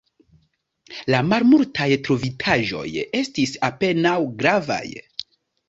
La malmultaj trovitaĵoj estis apenaŭ gravaj.